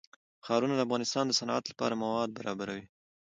ښارونه د افغانستان د صنعت لپاره مواد برابروي.